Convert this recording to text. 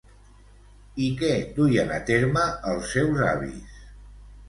I què duien a terme els seus avis?